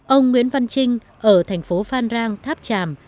ông nguyễn văn trinh ở thành phố phan rang tháp tràm